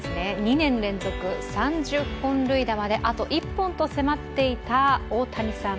２年連続３０本塁打まであと１本まで迫っていた大谷さん